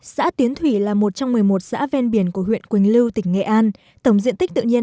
xã tiến thủy là một trong một mươi một xã ven biển của huyện quỳnh lưu tỉnh nghệ an tổng diện tích tự nhiên